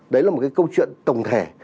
đấy là một cái câu chuyện tổng thể